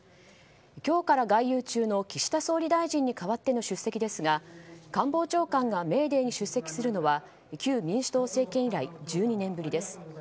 今日から外遊中の岸田総理大臣に代わっての出席ですが官房長官がメーデーに出席するのは旧民主党政権以来１２年ぶりです。